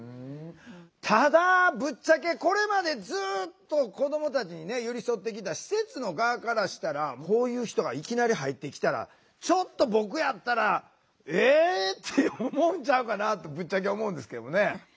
ただぶっちゃけこれまでずっと子どもたちに寄り添ってきた施設の側からしたらこういう人がいきなり入ってきたらちょっと僕やったら「えっ？」って思うんちゃうかなってぶっちゃけ思うんですけどね。